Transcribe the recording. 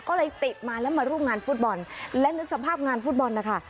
ก็เลยติดมาแล้วมาร่วมงานฟุตบอลและนึกสภาพงานฟุตบอลนะคะ